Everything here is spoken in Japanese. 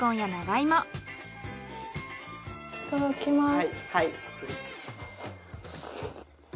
いただきます。